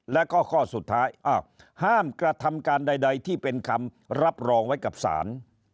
แล้วก็ข้อสุดท้ายห้ามกระทำการใดที่เป็นคำรับรองไว้กับศาล